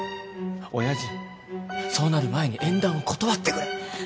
親父そうなる前に縁談を断ってくれ。